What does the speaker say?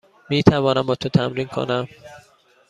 می توانم با تو تمرین کنم؟